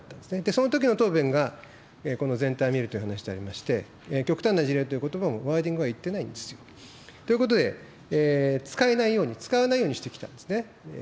そのときの答弁が、この全体を見るという話でありまして、極端な事例ということばも、ワーディングは言ってないんですよ。ということで使えないように、使わないようにしてきたんですね。